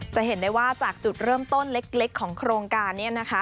จะเห็นได้ว่าจากจุดเริ่มต้นเล็กของโครงการนี้นะคะ